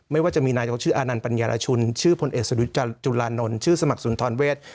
ว่าจะมีนายกชื่ออานันต์ปัญญารชุนชื่อพลเอกจุลานนท์ชื่อสมัครสุนทรเวท